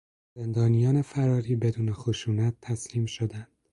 زندانیان فراری بدون خشونت تسلیم شدند.